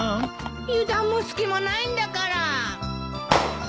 油断も隙もないんだから。